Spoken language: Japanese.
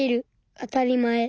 あたりまえ。